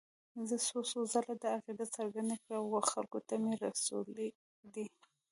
زه څو څو ځله دا عقیده څرګنده کړې او خلکو ته مې رسولې ده.